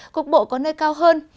cục bộ có nơi cao hơn